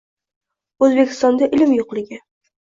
O‘zbekistonda ilm yo‘qligi